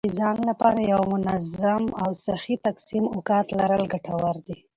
د ځان لپاره د یو منظم او صحي تقسیم اوقات لرل ګټور دي.